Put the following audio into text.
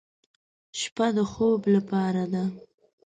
شپه د خوب لپاره ده.